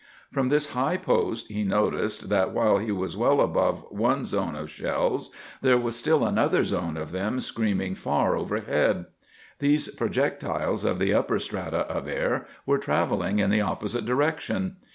From this high post he noticed that, while he was well above one zone of shells, there was still another zone of them screaming far overhead. These projectiles of the upper strata of air were travelling in the opposite direction.